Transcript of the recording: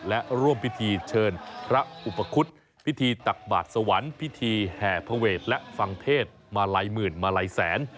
และร่วมพิธีเชิญพระอุปคุฎพิธีตักบาทสวรรค์พิธีแห่พระเวทและฟังเทศมาลัยหมื่นมาลัยแสน